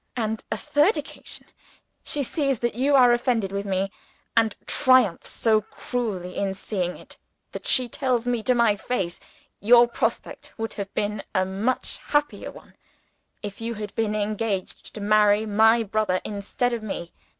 On a third occasion, she sees that you are offended with me; and triumphs so cruelly in seeing it, that she tells me to my face, your prospect would have been a much happier one, if you had been engaged to marry my brother instead of me.